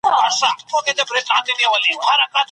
ټولنیزې مرستې د غریبو خلکو د ژوندي پاته کيدو لامل سوي.